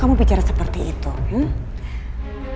kamu pikir kamu akan mampu melakukannya dalam tempo delapan belas bulan